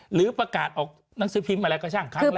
หรือประกาศออกหนังสือพิมพ์อะไรก็ทั้งแรก